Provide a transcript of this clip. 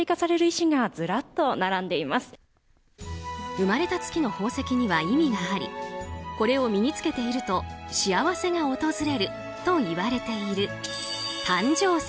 生まれた月の宝石には意味がありこれを身に着けていると幸せが訪れると言われている誕生石。